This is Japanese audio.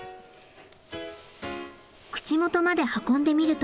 口元まで運んでみると。